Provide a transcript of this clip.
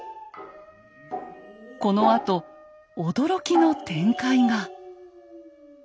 このあと驚きの展開が。